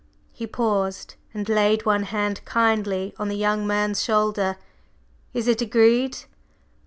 He paused, and laid one hand kindly on the younger man's shoulder, "Is it agreed?"